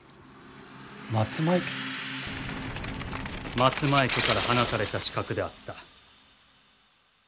松前家から放たれた刺客であった。